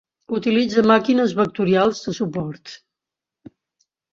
Utilitza màquines vectorials de suport.